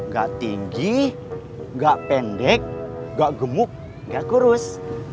gak tinggi gak pendek gak gemuk nggak kurus